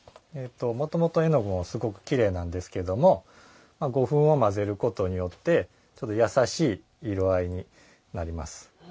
もともと絵の具もすごくきれいなんですけども胡粉を混ぜることによって優しい色合いになります。